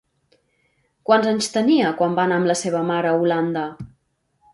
Quants anys tenia quan va anar amb la seva mare a Holanda?